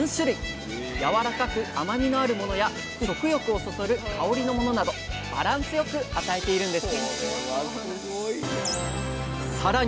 やわらかく甘みのあるものや食欲をそそる香りのものなどバランスよく与えているんです